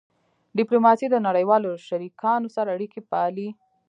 ډیپلوماسي د نړیوالو شریکانو سره اړیکې پالي.